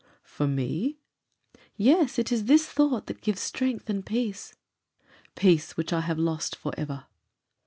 "For me?" "Yes; it is this thought that gives strength and peace." "Peace which I have lost for ever."